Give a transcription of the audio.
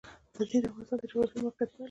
غزني د افغانستان د جغرافیایي موقیعت پایله ده.